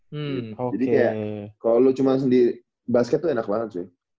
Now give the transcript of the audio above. hmm jadi kayak kalau lo cuma sendiri basket tuh enak banget sih